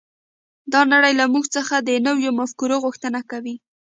دا نړۍ له موږ څخه د نویو مفکورو غوښتنه کوي